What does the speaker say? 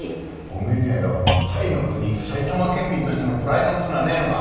おめえにはよ彩の国埼玉県民としてのプライドっつうのはねえのか？